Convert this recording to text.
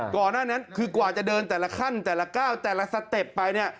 ก่อนหน้านั้นคือกว่าจะเดินแต่ละขั้นแต่ละก้าวแต่ละสเต็ปไปเนี่ย